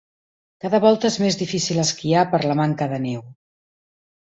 Cada volta és més difícil esquiar per la manca de neu.